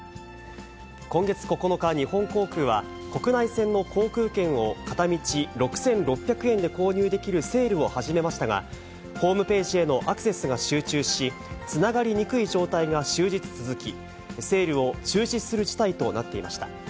今月９日、日本航空は、国内線の航空券を片道６６００円で購入できるセールを始めましたが、ホームページへのアクセスが集中し、つながりにくい状態が終日続き、セールを中止する事態となっていました。